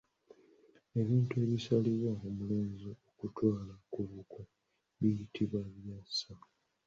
Ebintu ebisalirwa omulenzi okutwala ku buko biyitibwa ebyasa